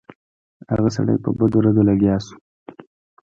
هغه سړی په بدو ردو لګیا شو.